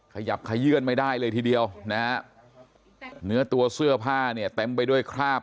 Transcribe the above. ขยับขยื่นไม่ได้เลยทีเดียวนะฮะเนื้อตัวเสื้อผ้าเนี่ยเต็มไปด้วยคราบ